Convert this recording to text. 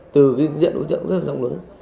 từ diễn đối tượng rất rộng lớn